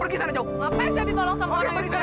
kasih gak messy